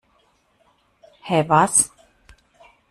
Hä, was?